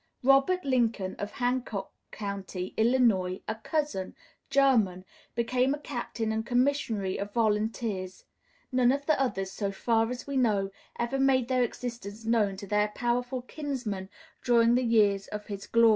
Robert Lincoln, of Hancock County, Illinois, a cousin German, became a captain and commissary of volunteers; none of the others, so far as we know, ever made their existence known to their powerful kinsman during the years of his glory.